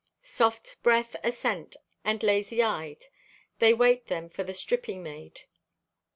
Soft breath ascent and lazy eyed, they wait them for the stripping maid.